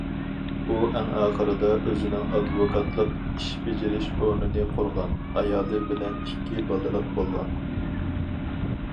ئۇ ئەڭ ئاخىرىدا ئۆزىنىڭ ئادۋوكاتلىق ئىش بېجىرىش ئورنىنى قۇرغان، ئايالى بىلەن ئىككى بالىلىق بولغان.